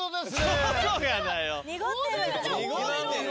濁ってるよ。